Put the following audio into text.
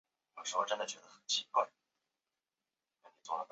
在此介绍的学生故事结尾都已毕业。